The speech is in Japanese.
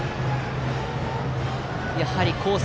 やはりコース